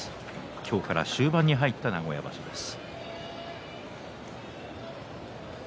今日から終盤に入った名古屋場所です。